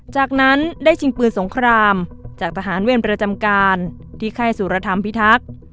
จากนั้นได้ชิงปืนสงครามจากทหารเวรประจำการที่ค่ายสุรธรรมพิทักษ์